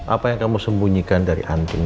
apa yang kamu sembunyikan dari antri